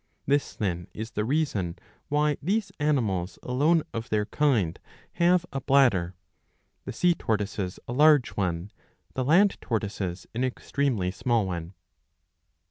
This then is the reason why these animals, alone of their kind, have a bladder, the sea tortoises a large one, the land tortoises an extremely small onc.